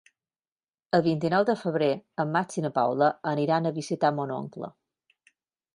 El vint-i-nou de febrer en Max i na Paula aniran a visitar mon oncle.